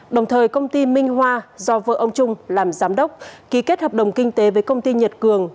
đồng thời công ty minh hoa do vợ ông trung làm giám đốc ký kết hợp đồng kinh tế với công ty nhật cường